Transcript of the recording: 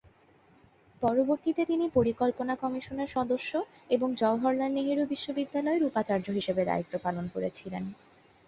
পরবর্তীতে তিনি পরিকল্পনা কমিশনের সদস্য এবং জওহরলাল নেহেরু বিশ্ববিদ্যালয়ের উপাচার্য হিসাবেও দায়িত্ব পালন করেছিলেন।